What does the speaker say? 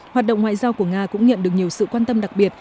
hoạt động ngoại giao của nga cũng nhận được nhiều sự quan tâm đặc biệt